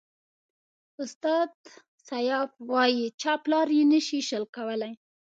استاد سياف وایي چاپلاري نشي شل کولای.